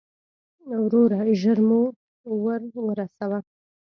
وروره، ژر مو ور ورسوه.